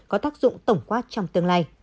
có tác dụng tổng quá trình